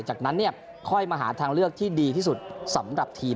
จากนั้นเนี่ยค่อยมาหาทางเลือกที่ดีที่สุดสำหรับทีม